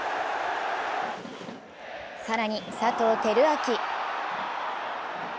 更に佐藤輝明。